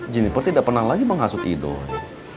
jennifer tidak pernah lagi menghasut idul